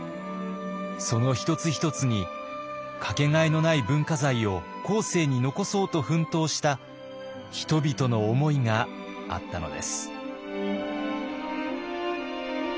その一つ一つにかけがえのない文化財を後世に残そうと奮闘した人々の思いがあったのです。